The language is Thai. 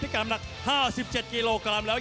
ที่กำหนัก๕๗กิโลกรัมแล้ว